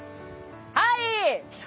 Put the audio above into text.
はい！